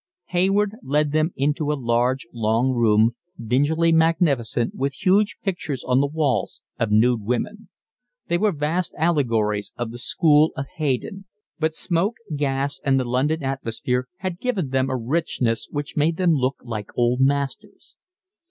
Hayward led them into a large, long room, dingily magnificent, with huge pictures on the walls of nude women: they were vast allegories of the school of Haydon; but smoke, gas, and the London atmosphere had given them a richness which made them look like old masters.